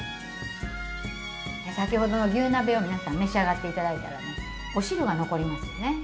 先ほどの牛鍋を皆さん召し上がっていただいたらお汁が残りますよね。